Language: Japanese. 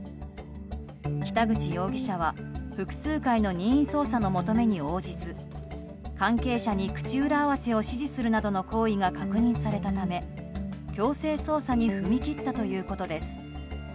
北口容疑者は複数回の任意捜査の求めに応じず関係者に口裏合わせを指示するなどの行為が確認されたため強制捜査に踏み切ったということです。